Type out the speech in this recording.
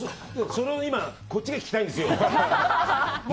それを今こっちが聞きたいんですよ。